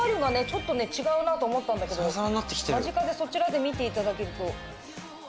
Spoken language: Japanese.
ちょっとね違うなと思ったんだけど間近でそちらで見て頂けると。